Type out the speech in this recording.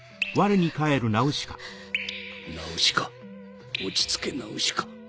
ナウシカ落ち着けナウシカ